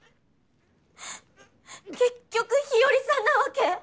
結局日和さんなわけ？